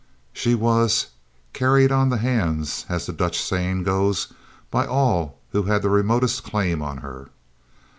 She was "carried on the hands," as the Dutch saying goes, by all who had the remotest claim on her.